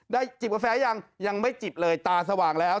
จิบกาแฟยังยังไม่จิบเลยตาสว่างแล้ว